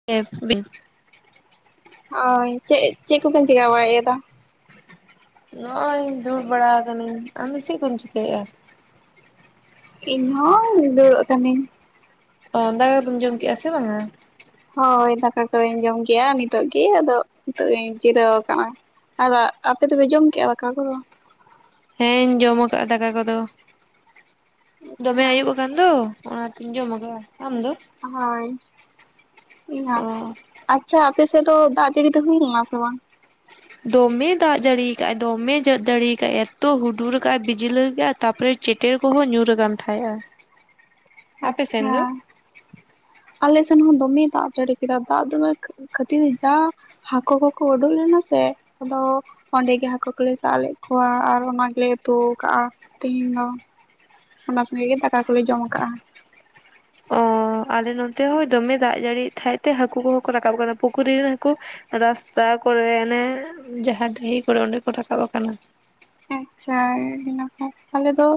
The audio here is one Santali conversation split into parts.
[unintelligible] ᱳᱭ ᱪᱮᱫ ᱪᱮᱫ ᱠᱚᱵᱮᱱ ᱪᱮᱠᱟ ᱵᱟᱲᱟᱭᱮᱫᱟ? ᱱᱚᱜᱼᱚᱭ ᱫᱩᱲ ᱵᱟᱲᱟ ᱠᱟᱹᱱᱤᱧ᱾ ᱟᱢᱫᱚ ᱪᱮᱫ ᱠᱚᱢ ᱪᱤᱠᱟᱹᱭᱮᱫᱼᱟ? ᱤᱧᱦᱚ ᱫᱩᱲᱩᱵ ᱠᱟᱹᱱᱤᱧ᱾ ᱚ ᱫᱟᱠᱟ ᱠᱚᱫᱚᱢ ᱡᱚᱢ ᱠᱮᱫᱼᱟ ᱥᱮ ᱵᱟᱝᱼᱟ? ᱦᱳᱭ ᱫᱟᱠᱟ ᱠᱚᱫᱚᱧ ᱡᱚᱢ ᱜᱮᱭᱟ ᱱᱤᱛᱚᱜ ᱜᱮ᱾ ᱟᱫᱚ ᱱᱤᱛᱚᱜ ᱤᱧ ᱡᱤᱨᱟᱹᱣ ᱟᱠᱟᱱᱟ᱾ ᱟᱨ ᱟᱯᱮ ᱫᱚᱯᱮ ᱡᱚᱢ ᱠᱮᱫᱼᱟ ᱫᱟᱠᱟ ᱠᱚᱫᱚ? ᱦᱮᱸᱧ ᱡᱚᱢ ᱟᱠᱟᱫᱟ ᱫᱟᱠᱟ ᱠᱚᱫᱚ᱾ ᱫᱚᱢᱮ ᱟᱪᱪᱷᱟ ᱟᱹᱭᱩᱵ ᱟᱠᱟᱱ ᱫᱚ ᱚᱱᱟᱛᱤᱧ ᱡᱚᱢ ᱟᱠᱟᱫᱼᱟ᱾ ᱟᱢ ᱫᱚ? ᱦᱳᱭ ᱤᱧ ᱦᱚ᱾ ᱚ ᱟᱪᱪᱷᱟ ᱟᱯᱮ ᱚᱱᱛᱮᱫᱚ ᱫᱟᱜ ᱡᱟᱹᱲᱤ ᱫᱚ ᱦᱩᱭ ᱞᱮᱱᱟ ᱥᱮ ᱵᱟᱝ? ᱫᱚᱢᱮ ᱫᱟᱜᱽ ᱡᱟᱹᱲᱤᱭᱟ ᱟᱠᱟᱫ ᱫᱚᱢᱮ ᱡᱟᱲᱤᱭᱟ ᱟᱠᱟᱫᱼᱟ᱾ ᱮᱛᱚ ᱦᱩᱰᱩᱨ ᱟᱠᱟᱫᱼᱟᱭ ᱵᱤᱡᱤᱞᱼᱟ ᱛᱟᱯᱚᱨᱮ ᱪᱮᱴᱮᱨ ᱠᱚᱦᱚᱸ ᱧᱩᱨ ᱟᱠᱟᱱ ᱛᱟᱦᱮᱸᱫᱼᱟ᱾ ᱟᱪᱪᱷᱟ ᱟᱞᱮ ᱥᱮᱱ ᱦᱚᱸ ᱫᱚᱢᱮ ᱫᱟᱜ ᱡᱟᱹᱲᱤ ᱠᱮᱫᱟ᱾ ᱫᱟᱜ ᱫᱚᱢᱮ ᱠᱷᱟᱹᱛᱤᱨ ᱡᱟ ᱦᱟᱹᱠᱩ ᱠᱚᱠᱚ ᱩᱰᱩᱠ ᱞᱮᱱᱟ ᱥᱮ ᱟᱫᱚ ᱚᱸᱰᱮᱜᱮ ᱦᱟᱹᱠᱩ ᱠᱚᱞᱮ ᱥᱟᱵ ᱞᱮᱫ ᱠᱚᱣᱟ ᱟᱨ ᱚᱱᱟ ᱜᱮᱞᱮ ᱩᱛᱩ ᱠᱟᱜᱼᱟ ᱛᱮᱦᱤᱧ ᱫᱚ᱾ ᱚᱱᱟ ᱥᱚᱸᱜᱮ ᱜᱮ ᱫᱟᱠᱟ ᱠᱚᱞᱮ ᱡᱚᱢ ᱟᱠᱟᱜᱼᱟ᱾ ᱚ ᱟᱞᱮ ᱱᱚᱱᱛᱮ ᱦᱚᱸ ᱫᱚᱢᱮ ᱫᱟᱜ ᱡᱟᱹᱲᱤ ᱛᱟᱦᱮᱡ ᱛᱮ ᱦᱟᱹᱠᱩ ᱠᱚᱦᱚᱸ ᱠᱚ ᱨᱟᱠᱟᱵ ᱟᱠᱟᱱᱟ᱾ ᱯᱩᱠᱷᱩᱨᱤᱨ ᱨᱮᱱ ᱦᱟᱹᱠᱩ ᱨᱟᱥᱛᱟ ᱠᱚᱨᱮ ᱚᱱᱮ ᱡᱟᱦᱟᱸ ᱰᱟᱹᱦᱤ ᱠᱚᱨᱮ ᱚᱸᱰᱮ ᱠᱚ ᱨᱟᱠᱟᱵ ᱟᱠᱟᱱᱟ᱾ ᱟᱪᱪᱷᱟ ᱤᱱᱟ ᱠᱷᱟ ᱟᱞᱮ ᱫᱚ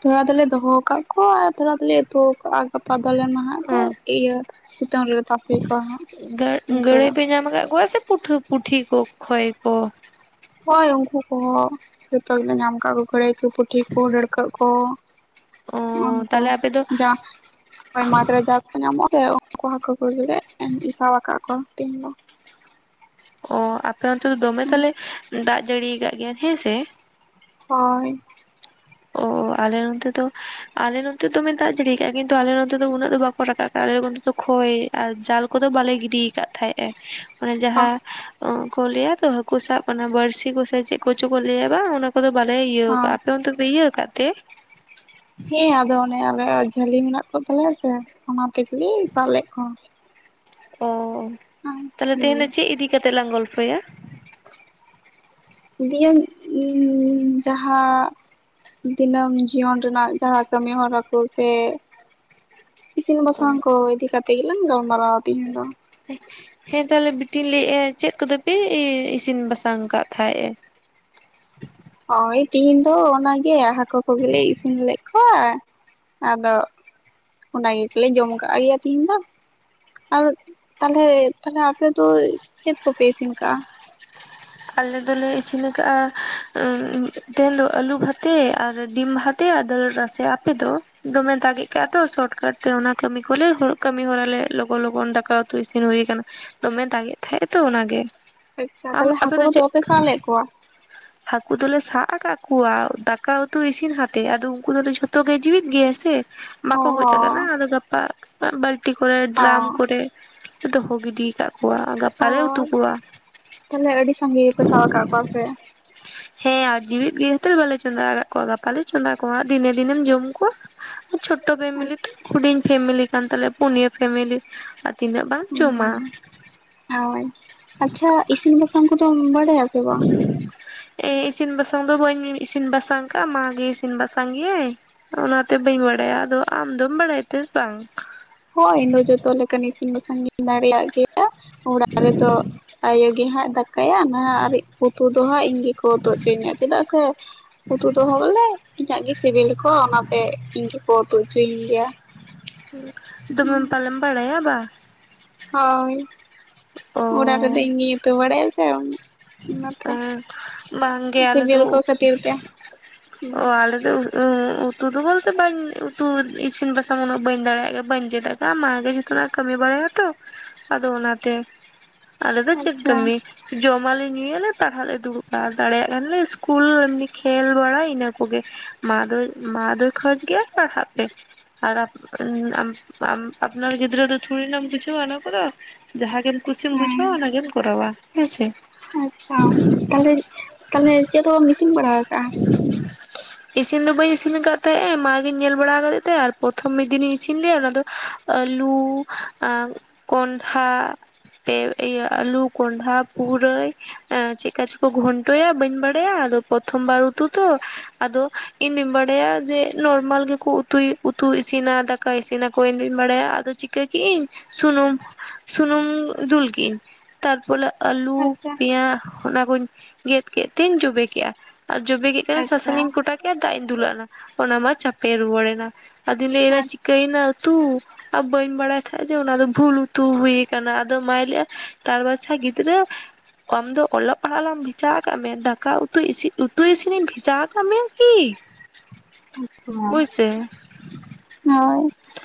ᱛᱷᱚᱲᱟ ᱫᱚᱞᱮ ᱫᱚᱦᱚ ᱟᱠᱟᱫ ᱠᱚᱣᱟ᱾ ᱠᱚ ᱟᱨ ᱛᱷᱚᱲᱟ ᱛᱷᱚᱲᱤ ᱩᱛᱩᱣᱟᱠᱟᱫᱼᱟ᱾ ᱜᱟᱯᱟ ᱫᱚᱞᱮ ᱱᱟᱦᱟᱜ ᱞᱮ ᱚ ᱤᱭᱟᱹ ᱥᱤᱛᱩᱝ ᱨᱮᱞᱮ ᱛᱟᱥᱮ ᱠᱚᱣᱟ᱾ ᱦᱟᱸᱜ ᱜᱟᱹ ᱩᱱᱠᱩ ᱜᱟᱹᱲᱟᱹᱭ ᱫᱚ ᱯᱮ ᱧᱟᱢ ᱟᱠᱟᱫ ᱠᱚᱣᱟ ᱥᱮ ᱯᱩᱴᱷ ᱯᱩᱴᱷᱤ ᱠᱚ ᱠᱷᱚᱭ ᱠᱚ? ᱦᱚᱭ ᱩᱱᱠᱩ ᱠᱚᱦᱚᱸ ᱡᱚᱛᱚ ᱜᱮᱞᱮ ᱧᱟᱢ ᱠᱟᱜ ᱠᱚ [unintelligible] ᱛᱤᱠᱩ ᱴᱷᱤᱠ ᱠᱚ ᱰᱟᱹᱲᱠᱟᱹᱜ ᱠᱚ ᱚ [unintelligible] ᱩᱱᱠᱩ ᱛᱟᱦᱚᱞᱮ ᱟᱯᱮ ᱫᱚ [inaudible] ᱡᱟ ᱦᱚᱭ ᱢᱟᱴ ᱨᱮ ᱡᱟ ᱠᱚ ᱧᱟᱢᱚᱜ ᱥᱮ ᱩᱱᱠᱩ ᱦᱟᱹᱠᱩ ᱠᱚᱜᱮ ᱞᱮ ᱮᱢ ᱤᱯᱟ ᱣᱟᱠᱟᱫ ᱠᱚᱣᱟ ᱛᱮᱦᱮᱧ ᱫᱚ᱾ ᱚ ᱟᱯᱮ ᱚᱱᱛᱮ ᱫᱚ ᱫᱚᱢᱮ ᱛᱟᱞᱮ ᱫᱟᱜ ᱡᱟᱹᱲᱤᱭᱟᱠᱟᱫ ᱜᱮᱭᱟ ᱦᱮᱸ ᱥᱮ? ᱦᱚᱭ᱾ ᱚᱻ ᱟᱞᱮ ᱱᱚᱛᱮ ᱫᱚ ᱟᱞᱮ ᱱᱚᱛᱮ ᱫᱚᱢᱮ ᱫᱟᱜ ᱡᱟᱹᱲᱤ ᱠᱟᱜᱼᱟᱭ ᱠᱤᱱᱛᱩ ᱟᱞᱮ ᱱᱚᱛᱮ ᱫᱚ ᱩᱱᱟᱹᱜ ᱫᱚ ᱵᱟᱠᱚ ᱨᱟᱠᱟᱵᱟᱜᱼᱟᱞᱮ ᱱᱚᱱᱛᱮ ᱫᱚ ᱠᱷᱭ ᱟᱨ ᱡᱟᱞ ᱠᱚᱫᱚ ᱵᱟᱞᱮ ᱜᱤᱰᱤ ᱟᱠᱟᱫ ᱛᱟᱦᱮᱸᱫᱼᱟ ᱾ ᱚᱱᱮ ᱡᱟᱦᱟᱸ ᱠᱚ ᱞᱟᱹᱭᱟ ᱛᱚ ᱦᱟᱠᱩ ᱥᱟᱵ ᱚᱱᱟ ᱵᱟᱹᱲᱥᱤ ᱠᱚᱥᱮ ᱪᱮᱫ ᱠᱚᱪᱚ ᱠᱚ ᱞᱟᱹᱭᱟ ᱵᱟᱝ ᱚᱱᱟ ᱟᱫᱚ ᱵᱟᱞᱮ ᱤᱭᱟᱹ ᱠᱟᱜ-ᱟ ᱾ ᱟᱯᱮ ᱚᱱᱛᱮ ᱯᱮ ᱤᱭᱟᱹ ᱟᱠᱟᱫ ᱛᱮ? ᱦᱮᱸ ᱟᱫᱚ ᱚᱱᱮ ᱟᱞᱮᱭᱟᱜ ᱡᱷᱟᱹᱞᱤ ᱢᱮᱱᱟᱜ ᱠᱚ ᱛᱟᱞᱮᱭᱟ ᱥᱮ ᱚᱱᱟ ᱛᱮᱜᱮᱞᱮ ᱥᱟᱫᱞᱵ ᱞᱮᱫ ᱠᱚᱣᱟ ᱾ [unintelligible] ᱚ [unintelligible] ᱛᱟᱦᱞᱮ ᱛᱮᱦᱮᱧ ᱫᱚ ᱪᱮᱫ ᱤᱫᱤ ᱠᱟᱛᱮ ᱞᱟᱝ ᱜᱚᱞᱯᱷᱚᱭᱟ? ᱫᱤᱭᱟᱹᱝ ᱤᱸᱻ ᱡᱟᱦᱟᱸ ᱫᱤᱱᱟᱹᱢ ᱡᱤᱭᱚᱱ ᱨᱮᱱᱟᱜ ᱡᱟᱦᱟᱸ ᱠᱟᱹᱢᱤ ᱦᱚᱨᱟ ᱠᱚ ᱥᱮ ᱤᱥᱤᱱ ᱚ ᱵᱟᱥᱟᱝ ᱠᱚ ᱫᱤ ᱠᱟᱛᱮ ᱜᱮᱞᱟᱝ ᱜᱟᱞ ᱢᱟᱨᱟᱣᱼᱟ᱾ [unintelligible] ᱦᱮᱸ ᱛᱟᱦᱚᱞᱮ ᱵᱤᱴᱤ ᱞᱟᱹᱭᱮᱫᱼᱟ ᱪᱮᱫ ᱠᱚᱫᱚᱯᱮ ᱤᱥᱤᱱ ᱵᱟᱥᱟᱝ ᱟᱠᱟᱫ ᱛᱟᱦᱮᱸᱫ ᱮ? ᱦᱚᱭ ᱛᱤᱦᱤᱧ ᱫᱚ ᱚᱱᱟᱜᱮ ᱦᱟᱹᱠᱩ ᱠᱚᱜᱮᱞᱮ ᱤᱥᱤᱱ ᱞᱮᱜ ᱠᱚᱣᱟ ᱾ ᱟᱫᱚ [unintelligible] ᱚᱱᱟ ᱜᱮᱛᱚᱞᱮ ᱡᱚᱢ ᱠᱟᱜ ᱜᱮᱭᱟ ᱛᱤᱦᱤᱧ ᱫᱚ ᱾ ᱟᱨ [unintelligible] ᱛᱟᱦᱚᱞᱮ ᱛᱟᱦᱚᱞᱮ ᱟᱯᱮ ᱫᱚ ᱪᱮᱫ ᱠᱚᱯᱮ ᱤᱥᱤᱱ ᱠᱟᱜᱼᱟ? ᱟᱞᱮ ᱫᱚᱞᱮ ᱤᱥᱤᱱ ᱠᱟᱜᱼᱟ [unintelligible] ᱛᱮᱦᱮᱱ ᱫᱚ ᱟᱞᱩ ᱵᱷᱟᱛᱮ ᱟᱨ ᱰᱤᱢ ᱵᱷᱟᱛᱮ [unintelligible] ᱟᱯᱮ ᱫᱚ ᱫᱚᱢᱮ ᱫᱟᱜᱮᱜ ᱠᱟᱜ ᱛᱚ ᱥᱚᱴᱠᱟᱹᱴ ᱛᱮ ᱚᱱᱟ ᱠᱟᱹᱢᱤ ᱠᱚᱞᱮ ᱦ ᱠᱟᱹᱢᱤ ᱦᱚᱨᱟ ᱞᱮ ᱞᱚᱜᱚᱱ - ᱞᱚᱜᱚᱱ ᱫᱟᱠᱟ ᱩᱛᱩ ᱤᱥᱤᱱ ᱦᱩᱭ ᱠᱟᱱᱟ ᱫᱚᱢᱮ ᱫᱟᱜᱮᱫ ᱛᱟᱦᱮᱸᱜ ᱟᱛᱚ ᱚᱱᱟ ᱜᱮ᱾ ᱟᱪᱪᱷᱟ ᱛᱟᱦᱚᱞᱮ ᱦᱟᱹᱠᱩ ᱠᱚᱫᱚ ᱵᱟᱯᱮ ᱥᱟᱵ ᱞᱮᱫ ᱠᱚᱣᱟ? ᱦᱟᱹᱠᱩ ᱫᱚᱞᱮ ᱥᱟᱵ ᱟᱠᱟᱫ ᱠᱚᱣᱟ ᱫᱟᱠᱟ ᱩᱛᱩ ᱤᱥᱤᱱ ᱦᱟᱛᱮ ᱟᱫᱚ ᱩᱱᱠᱩ ᱫᱚᱞᱮ ᱡᱷᱚᱛᱚ ᱜᱮ ᱡᱤᱣᱮᱫ ᱜᱮᱭᱟ ᱥᱮ ᱚ ᱵᱟᱠᱚ ᱜᱚᱡ ᱚ ᱟᱠᱟᱱᱟ ᱟᱫᱚ ᱜᱟᱯᱟ ᱵᱟᱞᱴᱤ ᱠᱚᱨᱮ ᱚ ᱰᱨᱟᱢ ᱠᱚᱨᱮ ᱫᱚᱦᱚ ᱜᱤᱰᱤ ᱟᱠᱟᱫ ᱠᱚᱣᱟ ᱠᱚᱣᱟ ᱜᱟᱯᱟᱞᱮ ᱩᱛᱩ ᱦᱚᱸ ᱠᱚᱣᱟ ᱛᱟᱦᱚᱞᱮ ᱟᱹᱰᱤ ᱥᱟᱸᱜᱮ ᱜᱮᱯᱮ ᱥᱟᱵ ᱟᱠᱟᱫ ᱠᱚᱣᱟ ᱥᱮ ᱦᱮᱸ ᱟᱨ ᱡᱤᱣᱤᱫ ᱜᱮ ᱠᱷᱟᱛᱤᱨ ᱵᱟᱞᱮ ᱪᱚᱸᱫᱟ ᱟᱠᱟᱫ ᱠᱚᱣᱟ ᱾ ᱜᱟᱯᱟ ᱞᱮ ᱪᱚᱸᱫᱟ ᱠᱚᱣᱟ ᱫᱤᱱᱮ-ᱫᱤᱱᱮᱢ ᱡᱚᱢ ᱠᱚᱣᱟ᱾ ᱪᱷᱚᱴᱚ ᱯᱷᱮᱢᱮᱞᱤ ᱛᱚ ᱦᱩᱰᱤᱧ ᱯᱷᱮᱢᱮᱞᱤ ᱠᱟᱱ ᱛᱟᱞᱮᱭᱟ ᱯᱩᱱᱭᱟᱹ ᱯᱷᱮᱢᱮᱞᱤ ᱾ ᱛᱤᱱᱟᱹᱜ ᱵᱟᱝ ᱡᱚᱢᱟ ᱦᱩᱸ ᱦᱳᱭ ᱟᱪᱪᱷᱟ [inaudible] ᱤᱥᱤᱱ ᱵᱟᱥᱟᱝ ᱠᱚᱫᱚ ᱵᱟᱲᱟᱭ ᱟ ᱥᱮ ᱵᱟᱝ ᱮ ᱤᱥᱤᱱ - ᱵᱟᱥᱟᱝ ᱫᱚ ᱵᱟᱹᱧ ᱤᱥᱤᱱ ᱵᱟᱥᱟᱝ ᱠᱟᱼᱟ ᱢᱟ ᱜᱮ ᱤᱥᱤᱱ ᱵᱟᱥᱟᱝ ᱜᱮᱭᱟᱭ᱾ ᱚᱱᱟᱛᱮ ᱵᱟᱹᱧ ᱵᱟᱲᱟᱭᱟ ᱟᱫᱚ ᱟᱢ ᱫᱚᱢ ᱵᱟᱲᱟᱭ ᱛᱮᱥ ᱵᱟᱝ? ᱦᱚᱭ ᱤᱧ ᱫᱚ ᱡᱚᱛᱚ ᱞᱮᱠᱟᱱ ᱤᱥᱤᱱ- ᱵᱟᱥᱟᱝ ᱜᱤᱧ ᱫᱟᱲᱮᱭᱟᱜ ᱜᱮ᱾ [unintelligible] ᱚᱲᱟᱜ ᱨᱮᱫᱚ [inaudible] ᱟᱭᱳ ᱜᱮ ᱦᱟᱸᱜ ᱫᱟᱠᱟ ᱠᱟᱭᱨᱟ ᱱᱟᱦᱟᱜ ᱟᱨ ᱩᱛᱩ ᱫᱚ ᱦᱟᱸᱜ ᱤᱧ ᱜᱮᱠᱚ ᱩᱛᱩ ᱦᱚᱪᱚ ᱤᱧᱟ᱾ ᱪᱮᱫᱟᱜ ᱥᱮ ᱦᱚ [inaudible] ᱩᱛᱩ ᱫᱚᱦᱚ ᱵᱚᱞᱮ ᱤᱧᱟᱹᱜ ᱜᱮ ᱥᱤᱵᱤᱞ ᱠᱚ ᱚᱱᱟ ᱛᱮ ᱤᱧ ᱜᱮ [unintelligible] ᱦᱚᱪᱚᱭᱤᱧ ᱜᱮᱭᱟ᱾ [unintelligible] ᱫᱚᱢᱮᱢ ᱯᱟᱞᱮᱢ ᱵᱟᱲᱟᱭᱟ ᱵᱟ? ᱦᱚᱭ ᱚᱲᱟᱜ ᱚ ᱨᱮᱫᱚ ᱤᱧ ᱜᱤᱧ ᱩᱛᱩ ᱵᱟᱲᱟᱭ ᱥᱮ ᱚᱱᱟᱛᱮ ᱵᱟᱝᱜᱮ ᱟᱞᱮ ᱫᱚ ᱥᱤᱵᱤᱞ ᱠᱚ ᱠᱷᱟᱹᱛᱤᱨ ᱛᱮ ᱚ ᱟᱞᱮ ᱫᱚ [unintelligible] ᱩᱛᱩᱫᱚ ᱵᱚᱞᱛᱮ ᱵᱟᱹᱧ ᱩᱛᱩ ᱤᱥᱤᱱ - ᱵᱟᱥᱟᱝ ᱩᱱᱟᱹᱜ ᱵᱟᱹᱧ ᱫᱟᱲᱮᱭᱟᱜ ᱜᱮ, ᱵᱟᱹᱧ ᱪᱮᱫ ᱟᱠᱟᱫ ᱾ᱢᱟ ᱜᱮ ᱡᱚᱛᱚᱱᱟᱜ ᱠᱟᱹᱢᱤ ᱵᱟᱲᱟᱭᱟ ᱛᱚ [unintelligible] ᱟᱫᱚ ᱚᱱᱟ ᱛᱮ [unintelligible] ᱟᱞᱮ ᱫᱚ ᱪᱮᱫ ᱟᱪᱪᱷᱟ ᱠᱟᱹᱢᱤ ᱡᱚᱢ ᱢᱟᱞᱮ ᱧᱩᱭᱟᱞᱮ ᱯᱟᱲᱦᱟᱜ ᱞᱮ ᱫᱩᱲᱩᱵ-ᱟ ᱫᱟᱲᱮᱭᱟᱜ ᱠᱟᱱ ᱞᱮ ᱥᱤᱥᱠᱩᱞ ᱮᱢᱱᱤ ᱠᱷᱮᱞ ᱵᱟᱲᱟ ᱤᱱᱟᱹ ᱠᱚᱜᱮ᱾ ᱢᱟ ᱫᱚᱭ ᱢᱟ ᱫᱚᱭ ᱠᱷᱚᱡ ᱜᱮᱭᱟ ᱯᱟᱲᱦᱟᱜ ᱯᱮ ᱟᱨ ᱟᱯᱱᱟᱨ ᱜᱤᱫᱽᱨᱟᱹ ᱫᱚ ᱛᱷᱩᱲᱤ ᱱᱟᱢ ᱵᱩᱡᱷᱟᱹᱣᱼᱟ ᱚᱱᱟ ᱠᱚᱫᱚ ᱡᱟᱦᱟᱸ ᱜᱮᱢ ᱠᱩᱥᱤᱢ ᱵᱩᱡᱷᱟᱹᱣᱟ ᱦᱮᱸ ᱚᱱᱟᱜᱢ ᱠᱚᱨᱟᱣᱟ ᱾ ᱦᱮᱸ ᱟᱪᱪᱷᱟ ᱛᱟᱦᱞᱮ ᱛᱟᱦᱞᱮ ᱪᱮᱫ ᱦᱚ ᱵᱟᱢ ᱤᱥᱤᱱ ᱵᱟᱲᱟ ᱠᱟᱜᱼᱟ᱾ ᱤᱥᱤᱱ ᱫᱚ ᱵᱟᱹᱧ ᱤᱥᱤᱱ ᱟᱠᱟᱫ ᱛᱟᱦᱮᱸᱜ ᱢᱱᱟᱜᱤᱧ ᱧᱮᱞ ᱵᱟᱲᱟ ᱟᱠᱟᱫᱮ ᱛᱟᱦᱮᱸ ᱟᱨ ᱯᱨᱚᱛᱷᱚᱢ ᱢᱤᱫ ᱫᱤᱱᱤᱧ ᱤᱥᱤᱱ ᱞᱮᱭᱟ ᱚᱱᱟ ᱫᱚ ᱟᱹᱞᱩ ᱟᱨ ᱠᱚᱱᱰᱷᱟ, ᱯᱮ ᱤᱭᱟᱹ ᱟᱞᱩ, ᱠᱚᱰᱷᱟ, ᱯᱩᱨᱟᱹᱭ, ᱪᱮᱫᱠᱟ ᱪᱚᱠᱚ ᱠᱚ ᱜᱷᱚᱱᱴᱚᱭᱟ ᱵᱟᱹᱧ ᱵᱟᱲᱟᱭᱟ ᱾ ᱟᱫᱚ ᱯᱚᱛᱷᱚᱢ ᱵᱟᱨ ᱩᱛᱩ ᱛᱚ ᱟᱫᱚ ᱤᱧ ᱫᱩᱧ ᱵᱟᱲᱟᱭᱟ ᱡᱮ ᱱᱚᱨᱢᱟᱞ ᱜᱮᱠᱚ ᱩᱛᱭ ᱩᱛᱩ ᱤᱥᱤᱱᱟ ᱾ ᱠᱟᱭ ᱤᱥᱤᱱ ᱟᱠᱚᱣᱟ ᱤᱧ ᱫᱩᱧ ᱵᱟᱲᱟᱭᱟ, ᱟᱫᱚ ᱪᱤᱠᱟᱹ ᱠᱤᱜᱤᱧ ᱥᱩᱱᱩᱢ ᱥᱩᱱᱩᱢ ᱫᱩᱞ ᱠᱤ ᱤᱧ ᱛᱟᱨᱯᱚᱨᱮ ᱟᱹᱞᱩ ᱟᱪᱪᱷᱟ ᱯᱮᱸᱭᱟ ᱚᱱᱟᱠᱚᱧ ᱜᱮᱫ ᱠᱮᱫ ᱛᱮᱧ ᱡᱚᱵᱮ ᱠᱮᱜᱟ᱾ ᱟᱨ ᱡᱚᱵᱮ ᱠᱮᱫ ᱠᱷᱟᱱ ᱟᱪᱪᱷᱟ ᱥᱟᱥᱟᱝ ᱤᱧ ᱠᱚᱴᱟ ᱠᱮᱫᱟ ᱫᱟᱜ ᱤᱧ ᱫᱩᱞ ᱟᱜ ᱱᱟ ᱚᱱᱟ ᱢᱟ ᱪᱟᱯᱮ ᱨᱩᱣᱟᱹᱲᱮᱱᱟ᱾ ᱟᱫᱚᱧ ᱞᱟᱭ ᱫᱟ ᱟᱪᱪᱷᱟ ᱪᱤᱠᱟᱭ ᱱᱟ ᱛᱩ ᱟᱨ ᱵᱟᱹᱧ ᱵᱟᱲᱟᱭ ᱠᱟᱡᱽ ᱚᱱᱟ ᱫᱚ ᱵᱷᱩᱞ ᱩᱛᱩ ᱦᱩᱭ ᱟᱠᱟᱱᱟ ᱟᱫᱚ ᱢᱟᱭ ᱞᱟᱹᱭ ᱼᱟ ᱛᱟᱨ ᱵᱟᱪᱷᱟ ᱜᱤᱫᱽᱨᱟᱹ, ᱟᱢ ᱫᱚ ᱚᱞᱚᱜ ᱯᱟᱲᱦᱟᱜ ᱞᱟᱝ ᱵᱷᱮᱡᱟ ᱠᱟᱜ ᱢᱮᱭᱟ ᱾ ᱫᱟᱠᱟ ᱩᱛᱩ ᱤᱥᱤᱫ ᱩᱛᱩ ᱛᱩᱭ ᱤᱥᱤᱱ ᱤᱧ ᱵᱷᱮᱡᱟ ᱟᱠᱟᱫ ᱢᱮᱭᱟ ᱠᱤ ᱦᱳᱭ ᱥᱮ ᱦᱮ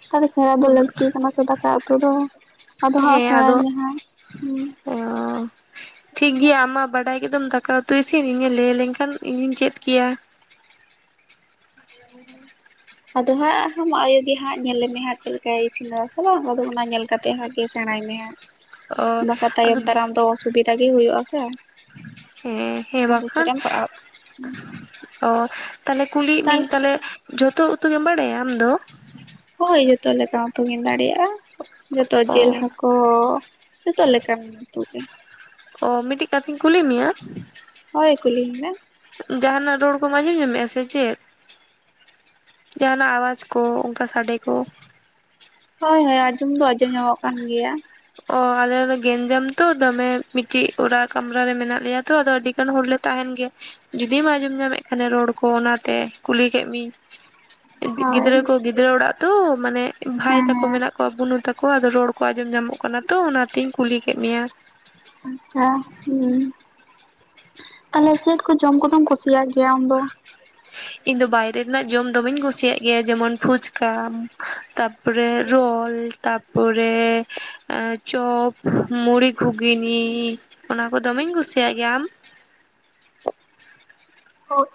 ᱛᱟᱦᱚᱞᱮ ᱥᱮᱬᱟ ᱫᱚ ᱞᱟᱹᱠᱛᱤ ᱠᱟᱱᱟ ᱥᱮ ᱫᱟᱠᱟ ᱩᱛᱩ ᱫᱚ᱾ ᱟᱫᱚ ᱦᱟᱸᱜ ᱦᱮᱸ ᱥᱮᱬᱟᱭ ᱟᱫᱚ ᱢᱮ ᱦᱟᱸᱜ [inaudible] ᱴᱷᱤᱠ ᱜᱮᱭᱟ ᱟᱢ ᱢᱟ ᱵᱟᱰᱟᱭ ᱠᱮᱫᱟᱢ ᱫᱟᱠᱟ ᱩᱛᱩ ᱤᱥᱤᱱ ᱤᱧᱮ ᱞᱟᱹᱭ ᱞᱮᱱᱠᱷᱟᱱ ᱤᱧᱤᱧ ᱪᱮᱫ ᱠᱮᱭᱟ᱾ [inaudible] ᱟᱫᱚ ᱦᱟᱸᱜ ᱟᱢ ᱟᱭᱳ ᱜᱮ ᱦᱟᱸᱜ ᱧᱮᱞᱮᱢᱮ ᱦᱟᱸᱜ ᱪᱮᱫ ᱞᱮᱠᱟᱭ ᱤᱥᱤᱱᱟ ᱥᱮ ᱵᱟᱝ ᱟᱫᱚ ᱚᱱᱟ ᱧᱮᱞ ᱠᱟᱛᱮ ᱦᱟᱸᱜ ᱥᱮᱬᱟᱭ ᱢᱮ ᱦᱟᱸᱜ᱾ ᱚ ᱵᱟᱠᱷᱟ ᱟᱫᱚ ᱛᱟᱭᱚᱢ ᱫᱟᱨᱟᱢ ᱫᱚ ᱚᱥᱩᱵᱤᱫᱟ ᱜᱮ ᱦᱩᱭᱩᱜᱼᱟ ᱥᱮ ᱦᱮᱸ ᱦᱮᱸ ᱟᱢ ᱯᱚᱭᱥᱟ ᱵᱟᱠᱷᱟᱱ, ᱨᱮᱢ ᱯᱟᱲᱟᱜᱼᱟ ᱚ ᱛᱟᱦᱞᱮ ᱠᱩᱞᱤᱭᱮᱫ ᱛᱟᱦᱚᱞᱮ ᱢᱤᱭᱤᱝ ᱛᱟᱦᱞᱮ ᱡᱷᱚᱛᱚ ᱩᱛᱩ ᱜᱮᱢ ᱵᱟᱲᱟᱭᱟ ᱟᱢ ᱫᱚ, ᱦᱳᱭ ᱡᱚᱛᱚ ᱞᱮᱠᱟᱱ ᱩᱛᱩ ᱜᱤᱧ ᱫᱟᱲᱮᱭᱟᱜᱼᱟ᱾ ᱡᱚᱛᱚ ᱚ ᱡᱤᱞ ᱦᱟᱹᱠᱚ ᱡᱚᱛᱚ ᱞᱮᱠᱟᱱ ᱩᱛᱩ ᱜᱮ ᱚ ᱢᱤᱴᱤᱡ ᱠᱟᱛᱷᱟᱧ ᱠᱩᱞᱤ ᱢᱮᱭᱟ? ᱦᱳᱭ ᱠᱩᱞᱤᱧ ᱢᱮ᱾ ᱡᱟᱦᱟᱱᱟᱜ ᱨᱚᱲ ᱠᱚᱢ ᱟᱸᱡᱚᱢ ᱧᱢᱮᱜᱼᱟ ᱥᱮ ᱪᱮᱫ? ᱡᱟᱦᱟᱱᱟᱜ ᱟᱣᱟᱡᱽ ᱠᱚ, ᱚᱱᱠᱟ ᱥᱟᱰᱮ ᱠᱚ, ᱦᱳᱭ ᱦᱳᱭ ᱟᱸᱡᱚᱢ ᱫᱚ ᱟᱸᱡᱚᱢ ᱧᱟᱢᱚᱜ ᱠᱟᱱ ᱜᱮᱭᱟ᱾ ᱚ ᱟᱞᱮ ᱫᱚ ᱜᱮᱧᱡᱟᱢ ᱛᱚ ᱫᱚᱢᱮ ᱢᱤᱫᱴᱤᱡ ᱚᱲᱟᱜ ᱠᱟᱢᱨᱟ ᱨᱮ ᱢᱮᱱᱟᱜ ᱞᱮᱭᱟ ᱛᱚ ᱟᱫᱚ ᱟᱹᱰᱤ ᱜᱟᱱ ᱦᱚᱲᱞᱮ ᱛᱟᱦᱮᱱ ᱜᱮ ᱡᱩᱫᱤᱢ ᱟᱸᱡᱚᱢ ᱧᱟᱢᱮᱫ ᱠᱷᱟᱱᱮ ᱨᱚᱲ ᱠᱚ ᱚᱱᱟᱛᱮ ᱠᱩᱞᱤ ᱠᱮᱫ ᱢᱮᱭᱤᱝ ᱾ ᱦᱳᱭ ᱜᱤᱫᱽᱨᱟᱹ ᱠᱚ ᱜᱤᱫᱽᱨᱟᱹ ᱚᱲᱟᱜ ᱛᱚ ᱢᱟᱱᱮ ᱵᱷᱟᱭ ᱦᱮᱸ ᱛᱟᱠᱚ ᱦᱮᱸ ᱢᱮᱱᱟᱜ ᱠᱚᱜ ᱵᱩᱱᱩ ᱛᱟᱠᱚᱣᱟ ᱟᱫᱚ ᱨᱚᱲ ᱠᱚ ᱟᱸᱡᱚᱢ ᱧᱟᱢᱚᱜ ᱠᱟᱱᱟ᱾ ᱛᱚ ᱚᱱᱟᱛᱤᱧ ᱠᱩᱞᱤ ᱠᱮᱫ ᱢᱮᱭᱟ, ᱟᱪᱷᱟ, ᱦᱮᱸ ᱛᱟᱦᱞᱮ ᱪᱮᱫ ᱠᱚ ᱡᱚᱢ ᱠᱚᱫᱚᱢ ᱠᱩᱥᱤᱭᱟᱜ ᱜᱮᱭᱟ ᱟᱢ ᱫᱚ? ᱤᱧ ᱫᱚ ᱵᱟᱭᱨᱮ ᱨᱮᱱᱟᱜ ᱡᱚᱢ ᱫᱚᱢᱮᱧ ᱠᱩᱥᱤᱭᱟᱜ ᱜᱮᱭᱟ ᱡᱮᱢᱚᱱ ᱯᱷᱩᱪᱠᱟ ᱾ ᱛᱟᱯᱚᱨᱮ ᱨᱳᱞ ᱛᱟᱯᱚᱨᱮ ᱪᱚᱯ ᱢᱩᱲᱤ ᱜᱷᱩᱜᱱᱤ ᱚᱱᱟ ᱠᱚ ᱫᱚᱢᱮᱧ ᱠᱩᱥᱤᱭᱟᱜ ᱜᱮᱭᱟ, ᱟᱢ?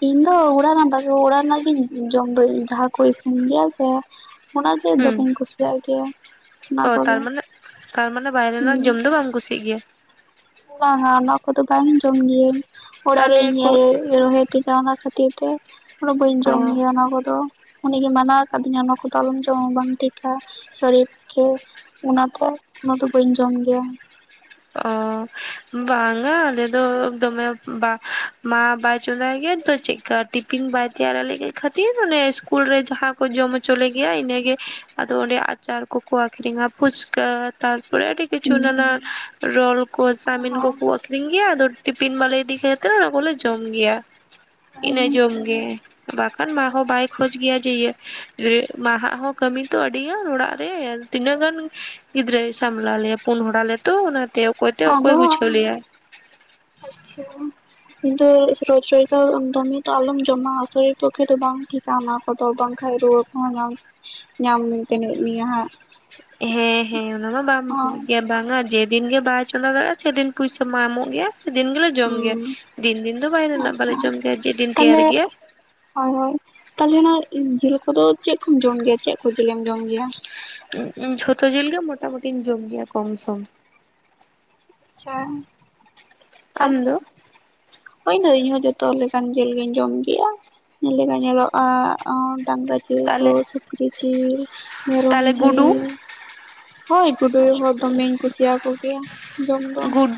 ᱤᱧ ᱫᱚ ᱚᱲᱟᱜ ᱨᱮᱱᱟᱜ ᱫᱟᱠᱟ ᱚᱲᱟᱜ ᱨᱮᱱᱟᱜ ᱜᱤᱧ ᱡᱚᱢ ᱫᱚ ᱡᱟᱦᱟᱸ ᱠᱚ ᱤᱥᱤᱱ ᱜᱮᱭᱟ ᱥᱮ ᱾ ᱚᱱᱟᱜᱮ ᱦᱩᱸ ᱫᱚᱢᱮᱧ ᱠᱩᱥᱤᱭᱟᱜ ᱜᱮᱭᱟ ᱾ ᱚ ᱛᱟᱨᱢᱟᱱᱮ ᱛᱟᱨᱢᱟᱱᱮ ᱵᱟᱭᱨᱮ ᱦᱩᱸ ᱨᱮᱱᱟᱜ ᱡᱚᱢ ᱫᱚ ᱵᱟᱢ ᱠᱩᱥᱤᱭᱟᱜ ᱜᱮᱭᱟ᱾ ᱵᱟᱝᱟ ᱚᱱᱟ ᱠᱚᱫᱚ ᱵᱟᱝ ᱡᱚᱢ ᱜᱤᱭᱟᱹᱧ ᱚᱲᱟᱜ ᱨᱮ ᱛᱟᱦᱚᱞᱮ ᱤᱧ ᱠᱚ ᱟᱭᱳᱭ ᱨᱚᱦᱚᱭᱮ ᱛᱤᱛᱟ ᱚᱱᱟ ᱠᱷᱟᱹᱛᱤᱨ ᱛᱮ ᱩᱱᱟᱜ ᱵᱟᱹᱧ ᱡᱚᱢ ᱚ ᱜᱮᱭᱟ ᱚᱱᱟ ᱠᱚᱫᱚ ᱾ ᱩᱱᱤᱜᱮ ᱢᱟᱱᱟᱣ ᱟᱠᱟᱫᱤᱧᱟ ᱚᱱᱟ ᱠᱚᱫᱚ ᱟᱞᱚᱢ ᱡᱚᱢᱟ ᱵᱟᱝ ᱴᱷᱤᱠᱟ ᱥᱚᱨᱤᱨ ᱯᱚᱠᱷᱮ ᱚᱱᱟᱛᱮ ᱚᱱᱟ ᱫᱚ ᱵᱟᱹᱧ ᱡᱚᱢ ᱜᱮᱭᱟ ᱾ ᱚ ᱵᱟᱝᱟ ᱟᱞᱮ ᱫᱚ ᱫᱚᱢᱮ ᱵᱟ ᱢᱟ ᱵᱟᱭ ᱪᱚᱸᱫᱟᱭ ᱜᱮᱭᱟ, ᱛᱚ ᱪᱮᱫ ᱠᱟ ᱴᱤᱯᱤᱱ ᱵᱟᱭ ᱛᱮᱭᱟᱨ ᱟᱞᱮ ᱠᱷᱟᱹᱛᱤᱨ ᱚᱱᱮ ᱤᱥᱠᱩᱞ ᱨᱮ ᱡᱟᱦᱟᱸ ᱠᱚ ᱡᱚᱢ ᱦᱚᱪᱚ ᱞᱮᱜᱮᱭᱟ ᱤᱱᱟᱹᱜᱮ, ᱟᱫᱚ ᱚᱸᱰᱮ ᱟᱪᱟᱨ ᱠᱚᱠᱚ ᱟᱠᱷᱨᱤᱧᱟ ᱯᱷᱩᱪᱠᱟᱹ ᱛᱟᱨᱯᱚᱨᱮ ᱟᱹᱰᱤ ᱠᱤ ᱪᱩ ᱱᱟᱱᱟ ᱦᱩᱸ ᱨᱳᱞ ᱠᱚ ᱪᱟᱢᱤᱱ ᱦᱳᱭ ᱠᱚᱠᱚ, ᱠᱚ ᱟᱹᱷᱨᱤᱧ ᱜᱮᱭᱟ ᱟᱫᱚ ᱴᱤᱯᱤᱱ ᱵᱟᱞᱮ ᱤᱫᱤ ᱠᱷᱛᱤᱨ ᱚᱱᱟ ᱠᱚᱞᱮ ᱡᱚᱢ ᱜᱮᱭᱟ ᱾ ᱤᱱᱟᱹ ᱡᱚᱢ ᱜᱮᱭᱟ ᱵᱟᱠᱷᱟᱱ ᱢᱟᱦᱚᱸ ᱵᱟᱭ ᱠᱷᱚᱡᱽ ᱜᱮᱭᱟ ᱡᱮ ᱤᱭᱟᱹ ᱢᱟᱦᱟᱜ ᱦᱚᱸ ᱠᱟᱹᱢᱤ ᱛᱚ ᱟᱹᱰᱤ ᱜᱟᱱ ᱚᱲᱟᱜ ᱨᱮ ᱛᱤᱱᱟᱹᱜ ᱜᱟᱱ, ᱜᱤᱫᱽᱨᱟᱹᱭ ᱥᱟᱢᱞᱟᱣ ᱞᱮᱭᱟ ᱯᱩᱱ ᱦᱚᱲ ᱟᱞᱮ ᱛᱚ ᱚᱱᱟᱛᱮ ᱾ [unintelligible] ᱟᱫᱚ ᱟᱪᱪᱷᱟ ᱾ ᱠᱤᱱᱛᱩ ᱨᱳᱡ ᱨᱳᱡ ᱫᱚ ᱫᱚᱢᱮ ᱫᱚ ᱟᱞᱚᱢ ᱡᱚᱢᱟ, ᱥᱚᱨᱤᱨ ᱯᱚᱠᱠᱷᱮ ᱫᱚ ᱵᱟᱝ ᱴᱷᱤᱠ ᱚᱱᱟ ᱠᱚᱫᱚ ᱵᱟᱝ ᱠᱷᱟᱡ ᱨᱩᱣᱟᱹ ᱠᱚᱦᱚᱸ ᱧᱟᱢ ᱧᱟᱢ ᱢᱮ ᱱᱟᱜᱼᱟ ᱾ ᱦᱮᱸ ᱦᱮᱸ ᱾ ᱚᱱᱟᱢᱟ ᱵᱟᱝ ᱦᱳᱭ ᱵᱷᱟᱹᱜᱤ ᱜᱮᱭᱟ ᱾ ᱵᱟᱝᱟ ᱡᱮ ᱫᱤᱱ ᱜᱮ ᱵᱟᱭ ᱪᱚᱸᱫᱟ ᱫᱟᱲᱮᱭᱟᱜᱼᱟ ᱥᱮ ᱫᱤᱱ ᱯᱩᱭᱥᱟᱹ ᱢᱟ ᱮᱢᱚᱜ ᱜᱮᱭᱟ ᱾ ᱫᱤᱱ ᱜᱮᱞᱮ ᱡᱚᱢ ᱜᱮᱭᱟ ᱦᱩᱸ ᱫᱤᱱ ᱫᱤᱱ ᱫᱚ, ᱵᱟᱭᱨᱮ ᱨᱮᱱᱟᱜ ᱵᱟᱞᱮ ᱟᱪᱪᱷᱟ ᱡᱚᱢ ᱜᱮᱭᱟ, ᱟᱨ ᱡᱮ ᱫᱤᱱ ᱛᱮᱭᱟᱨ ᱛᱟᱦᱞᱮ ᱜᱮᱭᱟ ᱾ ᱦᱳᱭ ᱦᱳᱭ ᱾ ᱛᱟᱦᱞᱮ ᱱᱟ ᱡᱤᱞ ᱠᱚᱫᱚ ᱪᱮᱫ ᱠᱚᱢ ᱡᱚᱢ ᱜᱮᱭᱟ? ᱪᱮᱫ ᱠᱚ ᱡᱤᱞᱮᱢ ᱡᱚᱢ ᱜᱮᱭᱟ? ᱡᱷᱚᱛᱚ ᱡᱤᱞ ᱜᱮ ᱢᱳᱴᱟᱢᱩᱴᱤᱧ ᱡᱚᱢ ᱜᱮᱭᱟ ᱠᱚᱢ ᱥᱚᱢ ᱾ ᱟᱪᱪᱷᱟ ᱟᱢ ᱫᱚ ᱾ ᱦᱳᱭ ᱫᱟᱹᱭ ᱤᱧ ᱦᱚ ᱡᱚᱛᱚ ᱞᱮᱠᱟᱱ ᱡᱤᱞ ᱜᱤᱧ ᱡᱚᱢ ᱜᱮᱭᱟ, ᱡᱮ ᱞᱮᱠᱟ ᱧᱮᱞᱚᱜ ᱼᱟ ᱾ ᱰᱟᱝᱨᱟ ᱡᱤᱞ, ᱠᱚ ᱛᱟᱦᱞᱮ ᱥᱩᱠᱨᱤ ᱡᱤᱞ, ᱢᱮᱨᱚᱢ ᱛᱟᱦᱞᱮ ᱜᱩᱰᱩ ᱡᱤᱞ, ᱦᱳᱭ ᱜᱩᱰᱩ ᱦᱚᱸ ᱫᱚᱢᱮᱧ ᱠᱩᱥᱤᱭᱟ ᱠᱚ ᱜᱮᱭᱟ ᱾ ᱜᱩᱰ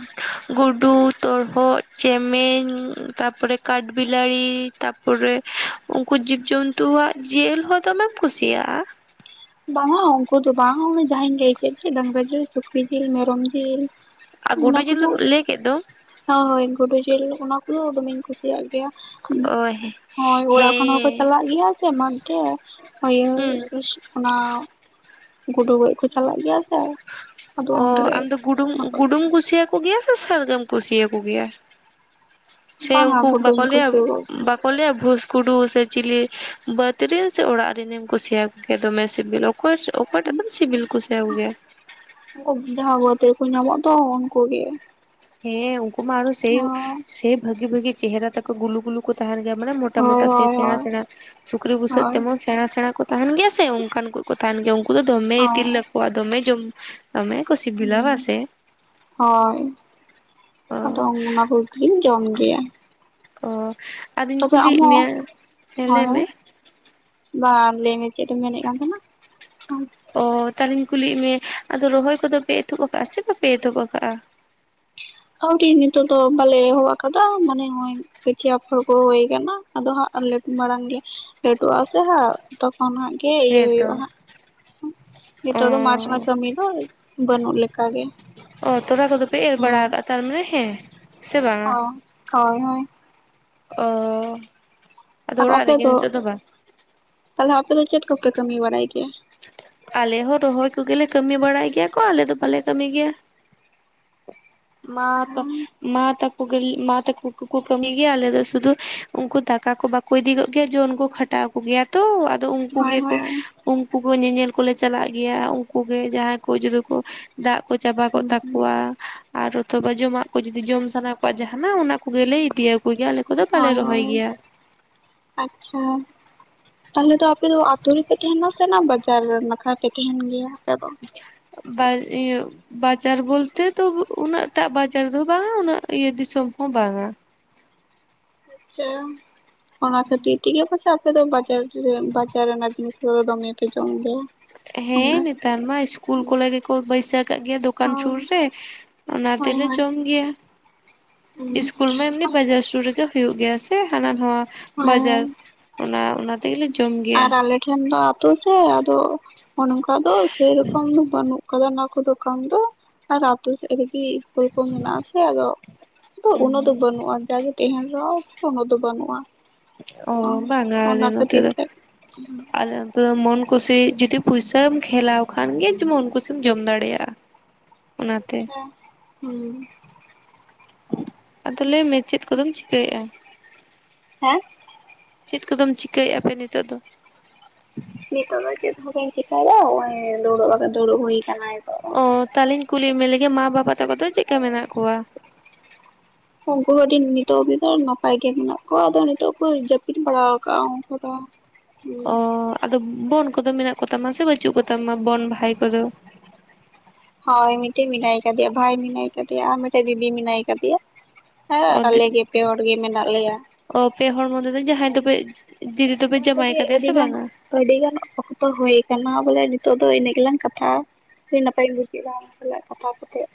ᱜᱩᱰᱩ, ᱛᱚᱨᱦᱚᱫ, ᱪᱮᱢᱮᱧ, ᱛᱟᱯᱚᱨᱮ ᱠᱟᱴ ᱵᱤᱞᱟᱹᱲᱤ ᱛᱟ ᱛᱟᱯᱚᱨᱮ ᱩᱱᱠᱩ ᱡᱤᱵᱽᱡᱚᱱᱛᱩᱣᱟᱜ ᱡᱮᱞ ᱦᱚᱸ ᱫᱚᱢᱮᱢ ᱠᱩᱥᱤᱭᱟᱜᱼᱟ? ᱵᱟᱝᱟ ᱩᱱᱠᱩ ᱫᱚ ᱵᱟᱝ, ᱚᱱᱮ ᱡᱟᱦᱟᱸᱧ ᱞᱟᱹᱭ ᱠᱮᱫ ᱡᱮ ᱰᱟᱝᱨᱟ ᱡᱤᱞ, ᱥᱩᱠᱨᱤ ᱡᱤᱞ, ᱢᱮᱨᱚᱢ ᱡᱤᱞ ᱟᱨ ᱜᱩᱰᱩ ᱧᱤᱞ ᱫᱚᱢ ᱞᱟᱹᱭ ᱠᱮᱫ ᱫᱚ᱾ ᱦᱚᱸ ᱦᱳᱭ ᱜᱩᱰᱩ ᱡᱤᱞ ᱚᱱᱟ ᱠᱚᱫᱚ ᱫᱚᱢᱮᱧ ᱠᱩᱥᱤᱭᱟᱜ ᱜᱮᱭᱟ ᱾ ᱦᱳᱭ ᱾ ᱦᱳᱭ ᱚᱲᱟᱜ ᱠᱷᱚᱱ ᱦᱚᱸᱠᱚ ᱪᱟᱞᱟᱜ ᱜᱮᱭᱟ, ᱥᱮ ᱮᱢᱟᱱ ᱛᱮ ᱤᱭᱟᱹ ᱦᱩᱸ ᱚᱱᱟ ᱜᱩᱰᱩ ᱜᱚᱡ ᱠᱚ ᱪᱟᱞᱟᱜ ᱜᱮᱭᱟ ᱥᱮ ᱟᱫᱚ ᱚ ᱩᱱᱨᱮ ᱟᱢ ᱫᱚ ᱜᱩᱰᱩᱢ ᱜᱩᱰᱩᱢ ᱠᱩᱥᱤᱭᱤᱭᱟ? ᱠᱚᱜᱮᱭᱟ ᱥᱮ ᱥᱟᱨᱜᱟᱢ ᱠᱩᱥᱤᱭᱟᱠᱚ ᱜᱮᱭᱟ, ᱥᱮ ᱵᱟᱝᱟ ᱩᱱᱠᱩ ᱵᱟᱠᱚ ᱜᱩᱰᱩᱧ ᱞᱟᱹᱭᱟ ᱠᱩᱥᱤᱭᱟᱠᱚ ᱵᱟᱠᱚ ᱞᱟᱹᱭᱟ ᱵᱷᱩᱥ ᱠᱩᱰᱩ ᱥᱮ ᱪᱤᱞᱤ ᱵᱟᱹᱫᱽ ᱨᱮ ᱥᱮ ᱚᱲᱟᱜ ᱨᱤᱱᱮᱢ ᱠᱩᱥᱤᱭᱟᱠᱚ ᱜᱮᱭᱟ, ᱫᱚᱢᱮ ᱥᱤᱵᱤᱞ ᱟᱠᱚ᱾ ᱚᱠᱚᱭ ᱚᱠᱚᱭᱴᱟᱜ ᱠᱷᱚᱱ ᱥᱤᱵᱤᱞ ᱠᱩᱥᱤᱭᱟᱠ ᱠᱚᱜᱮᱭᱟ? ᱩᱱᱠᱩ ᱡᱟᱦᱟᱸ ᱵᱟᱹᱫ ᱨᱮᱠᱚ ᱧᱟᱢᱚᱜᱼᱟ ᱛᱚ ᱩᱱᱠᱩ ᱜᱮ ᱾ ᱦᱮᱸ ᱩᱱᱠᱩ ᱢᱟ ᱟᱨᱚ ᱥᱮᱭ ᱥᱮᱭ ᱵᱷᱟᱹᱜᱤ ᱵᱷᱟᱹᱜᱤ ᱪᱮᱦᱨᱟ ᱛᱟᱠᱚ ᱜᱩᱞᱩ ᱜᱩᱞᱩ ᱛᱟᱦᱮᱱ ᱜᱮᱭᱟ ᱢᱟᱱᱮ ᱢᱚᱴᱟ ᱦᱳᱭ ᱢᱚᱴᱟ ᱥᱮ ᱦᱳᱭ ᱥᱮᱲᱟ ᱦᱳᱭ ᱥᱮᱲᱟ ᱥᱩᱠᱨᱤ ᱵᱷᱩᱥᱟᱹᱜ ᱦᱳᱭ ᱛᱮᱢᱚᱱ ᱥᱮᱬᱟ ᱥᱮᱬᱟ ᱠᱚ ᱛᱟᱦᱮᱱ ᱜᱮᱭᱟ ᱥᱮ, ᱚᱱᱠᱟᱱ ᱠᱚ ᱠᱚ ᱛᱟᱦᱮᱱ ᱜᱮᱭᱟ ᱩᱱᱠᱩ ᱫᱚᱢᱮ ᱤᱛᱤᱞ ᱛᱟᱠᱚᱣᱟ ᱫᱚᱢᱮ ᱡᱚᱢ ᱫᱚᱢᱮ ᱠᱚ ᱥᱤᱵᱤᱞᱟ ᱦᱳᱭ ᱵᱟ ᱥᱮ? ᱦᱳᱭ ᱾ ᱟᱫᱚ ᱚ ᱚᱱᱟ ᱠᱚᱜᱤᱧ ᱡᱚᱢ ᱜᱮᱭᱟ ᱾ ᱚ ᱟᱫᱚᱧ ᱠᱩᱞᱤᱭᱮᱫ ᱟᱢᱦᱚᱸ ᱢᱮᱭᱟ? ᱦᱮᱸ ᱦᱳᱭ ᱞᱟᱹᱭ ᱦᱳᱭ ᱢᱮ ᱾ ᱵᱟᱝ ᱞᱟᱹᱭ ᱢᱮ ᱪᱮᱫ ᱮᱢ ᱢᱮᱱᱮᱜ ᱠᱟᱱ ᱛᱟᱦᱮᱱᱟ ᱟᱢ? ᱚ ᱛᱟᱦᱚᱞᱮᱧ ᱠᱩᱞᱤᱭᱮᱜ ᱢᱮ ᱟᱫᱚ ᱨᱚᱦᱚᱭ ᱠᱚᱫᱚ ᱯᱮ ᱮᱛᱚᱦᱚᱵ ᱠᱟᱜᱼᱟ, ᱥᱮ ᱵᱟᱯᱮ ᱮᱛᱚᱦᱚᱵ ᱠᱟᱜᱼᱟ? ᱟᱹᱣᱨᱤ ᱱᱤᱛᱚᱜ ᱫᱚ ᱵᱟᱞᱮ ᱮᱦᱚᱵ ᱟᱠᱟᱫᱟ ᱢᱚᱱᱮ ᱦᱚᱭ ᱾ ᱠᱤᱪᱷᱤ ᱟᱯᱷᱚᱨ ᱠᱚ ᱦᱩᱭ ᱠᱟᱱᱟ ᱟᱫᱚ ᱦᱟᱸᱜ ᱢᱟᱲᱟᱝ ᱞᱮ ᱞᱟᱹᱴᱩ ᱟᱥᱮ ᱦᱟᱸ ᱛᱚᱠᱷᱚᱱ ᱦᱟᱸ ᱦᱮ ᱤᱭᱟᱹ ᱦᱮᱸ ᱛᱚ ᱦᱩᱭᱩᱜᱼᱟ, ᱦᱟᱸᱜ ᱚ ᱱᱤᱛᱚᱜ ᱫᱚ ᱢᱟᱴ ᱨᱮᱢᱟ ᱠᱟᱹᱢᱤ ᱫᱚ ᱵᱟᱹᱱᱩᱜ ᱞᱮᱠ ᱜᱮ ᱾ ᱚ ᱛᱚᱞᱟ ᱠᱚᱫᱚ ᱯᱮ ᱮᱨ ᱵᱟᱲᱟ ᱠᱟᱜᱼᱟ? ᱛᱟᱨᱢᱟᱱᱮ ᱦᱮᱸ ᱾ ᱦᱚᱸ ᱾ ᱦᱳᱭ ᱻᱦᱳᱭ ᱾ ᱚᱸ ᱟᱨ ᱟᱯᱮ ᱫᱚ? ᱛᱟᱦᱚᱞᱮ ᱟᱯᱮ ᱫᱚ ᱪᱮᱫ ᱠᱚᱯᱮ ᱠᱟᱹᱢᱤ ᱵᱟᱲᱟᱭ ᱜᱮᱭᱟ? ᱟᱞᱮ ᱦᱚᱸ ᱨᱚᱦᱚᱭ ᱠᱚᱜᱮ ᱞᱮ ᱠᱟᱹᱢᱤ ᱵᱟᱲᱟᱭ ᱜᱮᱭᱟ ᱠᱚ, ᱟᱞᱮ ᱫᱚ ᱵᱟᱞᱮ ᱠᱟᱹᱢᱤ ᱜᱮᱭᱟ ᱾ ᱢᱟ ᱛᱟ ᱢᱟ ᱛᱟᱹᱠᱚ᱾ ᱢᱟ ᱛᱟᱠᱚ ᱠᱚᱠᱚ ᱠᱟᱹᱢ ᱜᱮᱭᱟ ᱟᱞᱮ ᱫᱚ ᱥᱩᱫᱷᱩ ᱩᱱᱠᱩ ᱫᱟᱠᱟ ᱠᱚ ᱵᱟᱠᱚ ᱤᱫᱤ ᱜᱚᱜ ᱜᱮᱭᱟ ᱡᱳ ᱩᱱᱠᱩᱼᱼ ᱢᱮᱴᱟᱣ ᱠᱚᱜᱮᱭᱟ ᱛᱚ ᱟᱫᱚ ᱩᱱᱠᱩ ᱦᱳᱭ ᱜᱮᱠᱚ ᱦᱳᱭ ᱦᱳᱭ ᱩᱱᱠᱩ ᱠᱚ ᱧᱮᱧᱮᱞ ᱠᱚᱞᱮ ᱪᱟᱞᱟᱜ ᱜᱮᱭᱟ ᱩᱱᱠᱩ ᱜᱮ ᱡᱟᱦᱟᱸᱭ ᱠᱚ ᱡᱩᱫᱤ ᱠᱚ ᱫᱟᱜ ᱠᱚ ᱪᱟᱵᱟ ᱠᱚᱜ ᱦᱩᱸ ᱛᱟᱠᱚᱣᱟ᱾ ᱟᱨᱦᱚᱸ ᱛᱚ ᱵᱟᱡᱚᱢᱟᱜ ᱠᱚ ᱡᱩᱫᱤ ᱡᱚᱢ ᱥᱟᱱᱟ ᱠᱚᱣᱟ ᱡᱟᱦᱟᱱᱟᱜ ᱚᱱᱟ ᱠᱚᱜᱮ ᱤᱫᱤᱭᱟᱠᱚ ᱜᱮᱭᱟ᱾ ᱠᱚᱫᱚ ᱵᱟᱞᱮ ᱨᱚᱦᱚᱭ ᱦᱚᱝᱚᱝ ᱜᱮᱭᱟ ᱟᱪᱷᱟ ᱛᱟᱦᱞᱮ ᱫᱚ ᱟᱯᱼᱼ ᱟᱯᱮ ᱫᱚ ᱟᱛᱳ ᱨᱮᱯᱮ ᱛᱟᱦᱮᱱᱟ ᱥᱮ ᱱᱟ ᱵᱟᱡᱟᱨ ᱱᱟᱠᱷᱟ ᱯᱮ ᱛᱟᱦᱮᱱ ᱜᱮᱭᱟ ᱟᱯᱮ ᱫᱚ? [unintelligible] ᱵᱟ ᱤᱭᱩᱜ ᱵᱟᱡᱟᱨ ᱵᱚᱞᱛᱮ ᱛᱚᱵᱩ ᱩᱱᱟᱹᱜ᱾ ᱮᱴᱟᱜ ᱵᱟᱡᱟᱨ ᱫᱚ ᱵᱟᱝᱟ ᱩᱱᱟᱹᱜ ᱤᱭᱟᱹ ᱫᱤᱥᱚᱢ ᱦᱚᱸ ᱵᱟᱝᱟ᱾ ᱟᱪᱷᱟᱢ ᱚᱱᱟ ᱠᱷᱟᱹᱛᱤᱨ ᱴᱷᱤᱠ ᱜᱮᱭᱟ ᱯᱟᱪᱷᱟᱢ᱾ ᱟᱯᱮ ᱫᱚ ᱵᱟᱡᱟᱨ [inaudible] ᱵᱟᱡᱟᱨ ᱨᱮᱱᱟᱜ ᱡᱤᱱᱤᱥ ᱠᱚᱫᱚ ᱫᱚᱢᱮᱯᱮ ᱡᱚᱢ ᱜᱮᱭᱟ ᱦᱮᱸ ᱚᱱᱟ ᱱᱮᱛᱟᱨ ᱢᱟ ᱤᱥᱠᱩᱞ ᱠᱚᱨᱮ ᱜᱮᱠᱚ ᱵᱟᱹᱭᱥᱟᱹᱣ ᱠᱟᱜ ᱜᱮᱭᱟ ᱫᱚᱠᱟᱱ ᱥᱩᱨ ᱦᱳᱭ ᱨᱮ᱾ ᱚᱱᱟ ᱛᱮᱞᱮ ᱦᱳᱭ ᱡᱚᱢ ᱜᱮᱭᱟ, ᱤᱥᱠᱩᱞ ᱢᱟ ᱮᱢᱱᱤ ᱦᱳᱭ ᱵᱟᱡᱟᱨ ᱥᱩᱨ ᱨᱮᱜᱮ᱾ ᱦᱩᱭᱩᱜ ᱜᱮᱭᱟ ᱥᱮ ᱦᱟᱱᱟ ᱱᱚᱣᱟ ᱵᱟᱡᱟᱨ ᱦᱳᱭ ᱚᱱᱟ, ᱚᱱᱟ ᱛᱮᱜᱮᱞᱮ ᱡᱚᱢ ᱜᱮᱭᱟ᱾ ᱴᱷᱮᱱᱰᱟ ᱟᱛᱳ ᱥᱮ ᱟᱫᱚᱼᱼ ᱱᱚᱝᱠᱟ ᱫᱚ ᱥᱮ ᱨᱚᱠᱚᱢ ᱫᱚ ᱵᱟᱹᱱᱩᱜ ᱟᱠᱟᱫᱟ ᱚᱱᱟ ᱠᱚ ᱫᱚᱠᱟᱱ ᱫᱚ ᱟᱨ ᱟᱛᱳ ᱥᱮᱫ ᱨᱮᱜᱤ ᱠᱚ ᱢᱮᱱᱟᱜ ᱟᱥᱮ ᱟᱫᱚ ᱩᱱᱟᱹᱜ ᱫᱚ ᱵᱟᱹᱱᱩᱜᱼᱟ᱾ ᱡᱟᱜᱮ ᱛᱟᱦᱮᱱ ᱨᱮᱦᱚᱸ ᱳᱱᱳᱜ ᱫᱚ ᱵᱟᱹᱱᱩᱜᱼᱟ᱾ ᱚ ᱵᱟᱝᱟᱻᱟᱞᱮ ᱚᱱᱟ ᱱᱚᱛᱮ ᱠᱷᱟᱹᱛᱤᱨ ᱫᱚ᱾ ᱛᱮ ᱫᱚ ᱢᱚᱱ ᱠᱩᱥᱤ ᱡᱩᱫᱤ ᱯᱚᱭᱥᱟᱢ ᱠᱷᱮᱞᱟᱣ ᱠᱷᱟᱱᱜᱮ ᱢᱚᱱ ᱠᱩᱥᱤᱢ ᱡᱚᱢ ᱫᱟᱲᱮᱭᱟᱜᱼᱟ᱾ ᱚᱱᱟᱛᱮ᱾ ᱦᱩᱸ᱾ [inaudible] ᱟᱫᱚ ᱞᱟᱹᱭ ᱢᱮ ᱪᱮᱫ ᱠᱚᱫᱚᱢ ᱪᱤᱠᱟᱹᱭᱮᱫᱼᱟ? ᱦᱮᱸ ᱪᱮᱫ ᱠᱚᱫᱚᱢ ᱪᱤᱠᱟᱹᱭᱮᱫᱼᱟ ᱯᱮ ᱱᱤᱛᱚᱜ ᱫᱚ? ᱱᱤᱛᱚᱜ ᱫᱚ ᱪᱮᱫ ᱦᱚᱸ ᱵᱟᱹᱧ ᱪᱮᱠᱟᱭᱟ ᱦᱚᱸᱜ-ᱚᱭ ᱫᱩᱲᱩᱵ ᱟᱫᱚ ᱫᱩᱲᱩᱵ ᱦᱩᱭ ᱟᱠᱟᱱᱟᱭ᱾ ᱚ ᱛᱟᱦᱞᱮᱧ ᱠᱩᱞᱤ ᱢᱮ ᱞᱮᱜᱮ ᱢᱟ ᱵᱟᱵᱟ ᱛᱟᱠᱚ ᱫᱚ ᱪᱮᱫ ᱞᱮᱠᱟ ᱢᱮᱱᱟᱜ ᱠᱚᱣᱟ? ᱩᱱᱠᱩ ᱦᱚᱸ ᱟᱹᱰᱤ ᱱᱤᱛᱚᱜ ᱫᱚ ᱱᱟᱯᱟᱭ ᱜᱮ ᱢᱮᱱᱟᱜ ᱠᱚᱣᱟ ᱟᱫᱚ ᱱᱤᱛᱚᱜ ᱠᱚ ᱡᱟᱹᱯᱤᱫ ᱵᱟᱲᱟ ᱣᱟᱠᱟᱜᱼᱟ ᱩᱱᱠᱩ ᱫᱚ᱾ ᱚ ᱦᱮᱸ ᱟᱫᱚ ᱵᱚᱱ ᱠᱚᱫᱚ ᱢᱮᱱᱟᱜ ᱠᱚᱛᱟᱢᱟ ᱥᱮ ᱵᱟᱹᱪᱩᱜ ᱠᱚᱛᱟᱢᱟ ᱵᱚᱱ ᱵᱷᱟᱭ ᱠᱚᱫᱚ? ᱦᱳᱭ ᱢᱤᱫᱴᱮᱡ ᱢᱮᱱᱟᱭ ᱠᱟᱫᱮᱭᱟ ᱵᱷᱟᱭ ᱢᱮᱱᱟᱭ ᱠᱟᱫᱮᱭᱟ ᱟᱨ ᱢᱤᱫᱴᱮᱡ ᱫᱤᱫᱤ ᱢᱮᱱᱟᱭ ᱠᱟᱫᱮᱭᱟ᱾ ᱦᱮᱸ ᱚ ᱟᱞᱮ ᱜᱮ ᱯᱮ ᱦᱚᱲ ᱜᱮ ᱢᱮᱱᱟᱜ ᱞᱮᱭᱟ᱾ ᱚ ᱯᱮ ᱦᱚᱲ ᱢᱚᱫᱮ ᱫᱚ ᱡᱟᱦᱟᱸᱭ ᱫᱚᱯᱮ ᱫᱤᱫᱤ ᱫᱚᱯᱮ ᱢᱟ ᱡᱟᱶᱟᱭ ᱛᱚᱵᱮ ᱠᱟᱫᱮᱭᱟ ᱟᱹᱰᱤ ᱥᱮ ᱜᱟᱱ ᱵᱟᱝᱟ? ᱟᱹᱰᱤ ᱜᱟᱱ ᱚᱠᱚᱛᱚ ᱦᱩᱭ ᱟᱠᱟᱱᱟ ᱵᱚᱞᱮ ᱱᱤᱛᱚᱜ ᱫᱚ ᱤᱱᱟᱹᱜ ᱜᱮᱞᱟᱝ ᱠᱟᱛᱷᱟ ᱟ ᱟᱹᱰᱤ ᱱᱟᱯᱟᱭᱤᱧ ᱪᱮᱫ [inaudible] ᱥᱟᱞᱟᱜ ᱠᱟᱛᱷᱟ ᱠᱟᱛᱮᱫ᱾